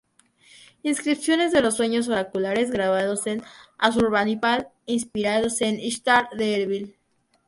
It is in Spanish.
Inscripciones de los sueños oraculares grabados de Asurbanipal inspirados en Ishtar de Erbil.